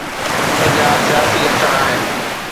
ان جا سياسي اثر آهن.